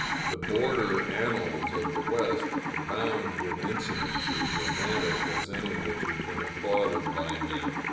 The border annals of the West abound with incidents as romantic as any which have been applauded by men.